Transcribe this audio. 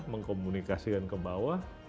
mengkomunikasikan ke bawah